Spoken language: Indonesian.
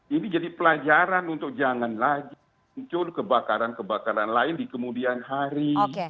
ini jadi pelajaran untuk jangan lagi muncul kebakaran kebakaran lain di kemudian hari